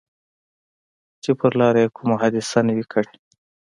چې پر لاره یې کومه حادثه نه وي کړې.